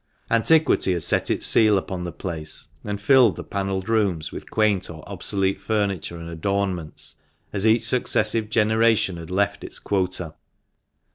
Antiquity had set its seal upon the place, and filled the panelled rooms with quaint or obsolete furniture and adornments, as each successive generation had left its quota.